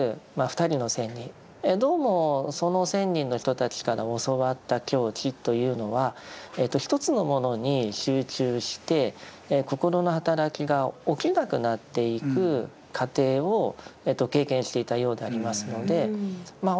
２人の仙人どうもその仙人の人たちから教わった境地というのは一つのものに集中して心の働きが起きなくなっていく過程を経験していたようでありますのでまあ